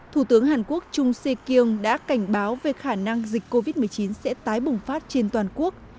thủ tướng hàn quốc chung se kyung đã cảnh báo về khả năng dịch covid một mươi chín sẽ tái bùng phát trên toàn quốc